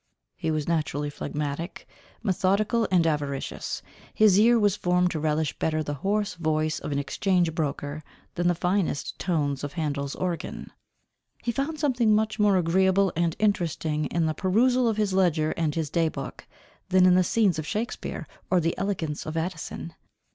He was naturally phlegmatic, methodical, and avaricious. His ear was formed to relish better the hoarse voice of an exchange broker, than the finest tones of Handel's organ. He found something much more agreeable and interesting in the perusal of his ledger and his day book, than in the scenes of Shakespeare, or the elegance of Addison.